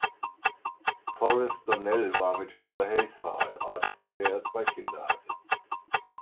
Forrest Donnell war mit Hilda Hays verheiratet, mit der er zwei Kinder hatte.